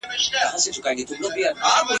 اوس په خپله د انصاف تله وركېږي !.